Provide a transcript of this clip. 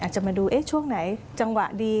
จะมาดูช่วงไหนจังหวะดี